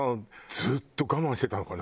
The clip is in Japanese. ずっと我慢してたのかな？